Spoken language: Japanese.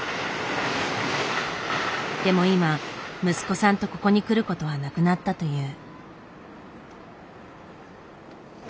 でも今息子さんとここに来ることはなくなったという。